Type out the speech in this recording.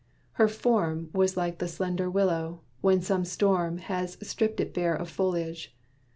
Her form Was like the slendor willow, when some storm Has stripped it bare of foliage.